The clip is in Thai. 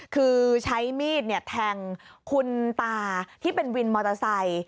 คือใช้มีดแทงคุณตาที่เป็นวินมอเตอร์ไซค์